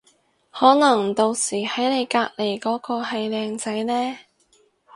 可能到時喺你隔離嗰個係靚仔呢